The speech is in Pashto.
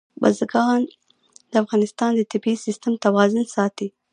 بزګان د افغانستان د طبعي سیسټم توازن ساتي.